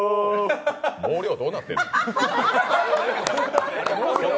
毛量どうなってんねん。